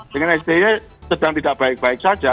dengan sti sedang tidak baik baik saja